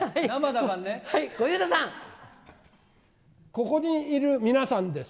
ここにいる皆さんです。